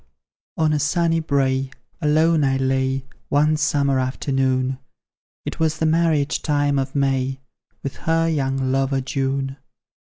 On a sunny brae alone I lay One summer afternoon; It was the marriage time of May, With her young lover, June.